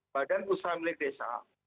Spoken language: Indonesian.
badan usaha milik desa